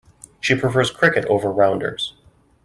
She prefers cricket over rounders.